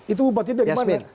itu umpatnya dari mana